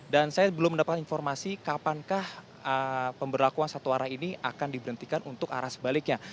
dan saya belum mendapatkan informasi kapan kah pembelaguan satu arah ini akan diberhentikan untuk arah sebaliknya